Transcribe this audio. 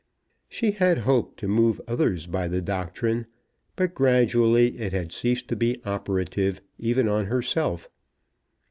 She had hoped to move others by the doctrine; but gradually it had ceased to be operative, even on herself.